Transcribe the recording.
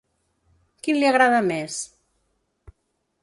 Quin li agrada més?